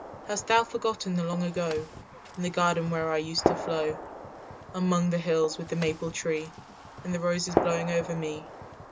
"Hast thou forgotten the long ago In the garden where I used to flow, "Among the hills, with the maple tree And the roses blowing over me?